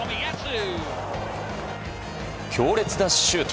強烈なシュート。